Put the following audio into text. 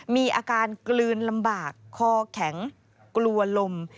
มีอาการกลืนลำบากคอแข็งกลัวลม